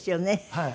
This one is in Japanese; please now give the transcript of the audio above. はい。